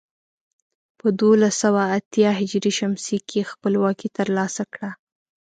په دولس سوه اتيا ه ش کې خپلواکي تر لاسه کړه.